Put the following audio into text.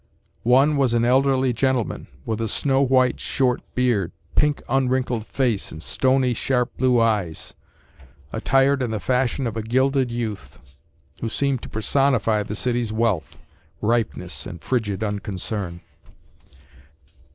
One was an elderly gentleman with a snow white, short beard, pink, unwrinkled face and stony, sharp blue eyes, attired in the fashion of a gilded youth, who seemed to personify the city’s wealth, ripeness and frigid unconcern.